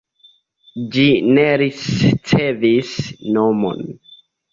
Ĝi ne ricevis nomon.